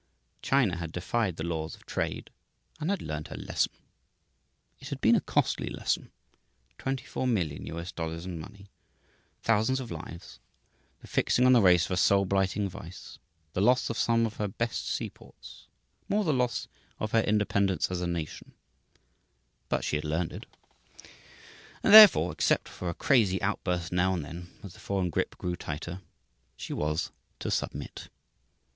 China had defied the laws of trade, and had learned her lesson. It had been a costly lesson $24,000,000 in money, thousands of lives, the fixing on the race of a soul blighting vice, the loss of some of her best seaports, more, the loss of her independence as a nation but she had learned it. And therefore, except for a crazy outburst now and then as the foreign grip grew tighter, she was to submit.